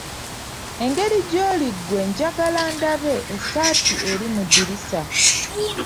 Engeri gyoli ggwe njagala ndabe essaati eri mu ddirisa.